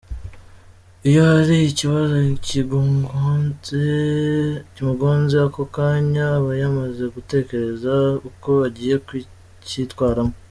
Iyo hari ikibazo kimugonze ako kanya abayamaze gutekereza uko agiye kucyitwaramo.